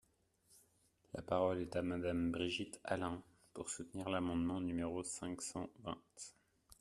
La parole est à Madame Brigitte Allain, pour soutenir l’amendement numéro cinq cent vingt.